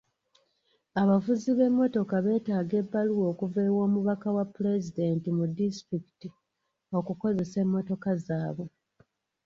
Abavuzi b'emmotoka beetaaga ebbaluwa okuva ew'omubaka wa pulezidenti mu disitulikiti okukozesa emmotoka zaabwe.